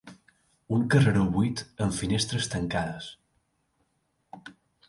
Un carreró buit amb finestres tancades.